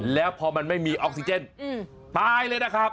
แล้วพอมันไม่มีออกซิเจนตายเลยนะครับ